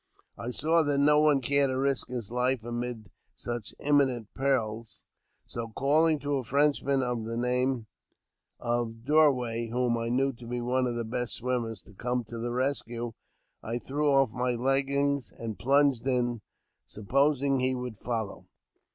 I saw that no one cared to risk his life amid such imminent perils, so, calling to a Frenchman of the name of Dorway, whom I knew to be one of the best swimmers, to come to the rescue, I threw off my leggings and plunged in, supposing he would follow.